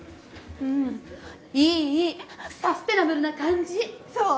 うんいいいいサステナブルな感じそう？